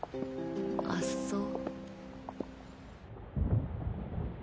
あっそう。